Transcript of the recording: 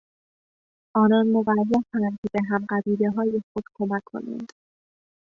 آنان موظفاند که به هم قبیلههای خود کمک کنند.